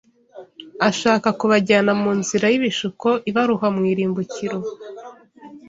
ashaka kubajyana mu nzira y’ibishuko ibaroha mu irimbukiro